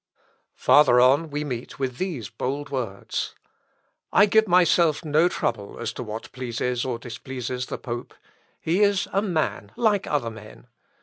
Farther on we meet with these bold words, "I give myself no trouble as to what pleases or displeases the pope. He is a man like other men.